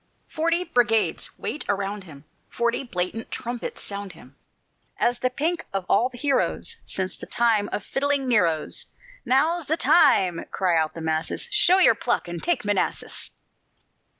Forty brigades wait around him, Forty blatant trumpets sound him, As the pink of all the heroes Since the time of fiddling Neros. "Now's the time," cry out the masses, "Show your pluck and take Manassas!"